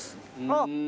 あっ！